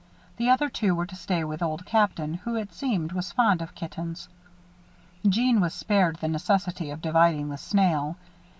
The other two were to stay with Old Captain, who, it seemed, was fond of kittens. Jeanne was spared the necessity of dividing the snail.